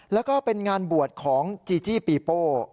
และก็เป็นงานบวชของจิ๊จิปีนโป้